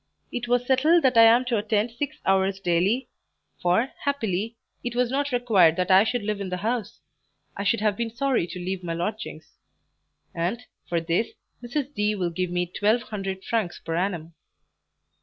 It was settled that I am to attend six hours daily (for, happily, it was not required that I should live in the house; I should have been sorry to leave my lodgings), and, for this, Mrs. D. will give me twelve hundred francs per annum.